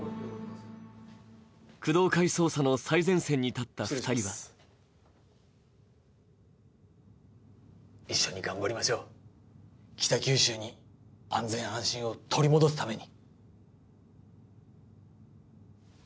工藤会捜査の最前線に立った２人は一緒に頑張りましょう、北九州に安全・安心を取り戻すために。